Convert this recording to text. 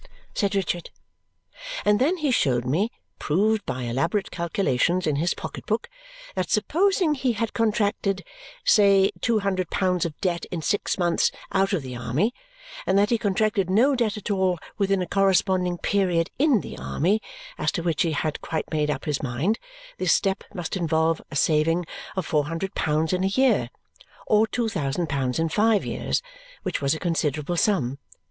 said Richard. And then he showed me, proved by elaborate calculations in his pocket book, that supposing he had contracted, say, two hundred pounds of debt in six months out of the army; and that he contracted no debt at all within a corresponding period in the army as to which he had quite made up his mind; this step must involve a saving of four hundred pounds in a year, or two thousand pounds in five years, which was a considerable sum.